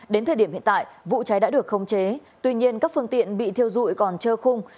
đến thời điểm hiện tại vụ cháy đã được khống chế tuy nhiên các phương tiện bị thiêu dụi còn trơ khung